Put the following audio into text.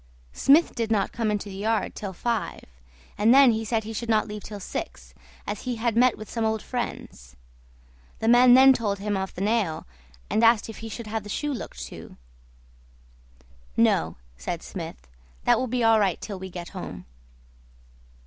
Smith did not come into the yard till five, and then he said he should not leave till six, as he had met with some old friends. The man then told him of the nail, and asked if he should have the shoe looked to. "No," said Smith, "that will be all right till we get home."